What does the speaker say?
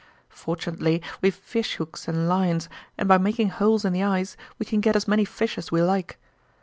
Fortunately we've fish hooks and lines, and by making holes in the ice we can get as many fish as we like.